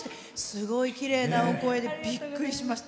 すごいきれいなお声でびっくりしました。